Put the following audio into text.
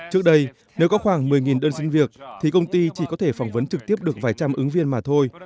trước đây nếu có khoảng một mươi đơn xin việc thì công ty chỉ có thể phỏng vấn trực tiếp được vài trăm ứng viên mà thôi